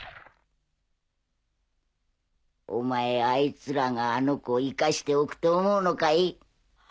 お前あいつらがあの子を生かしておくと思うのかい？